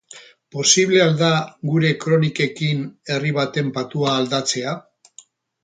Posible al da gure kronikekin herri baten patua aldatzea?